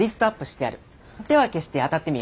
手分けして当たってみよ。